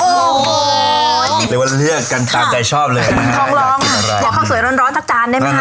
โอ้โหหรือว่าเลือกกันตามใจชอบเลยครับร้องหลอกข้องสวยร้อนจากจานได้ไหมครับ